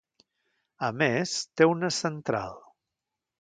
A més, té una central.